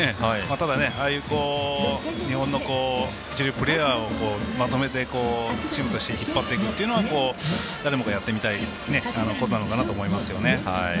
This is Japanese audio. ただ、ああいう日本の一流プレーヤーをまとめて、チームとして引っ張っていくというのは誰もがやりたいことなのかなと思いますよね。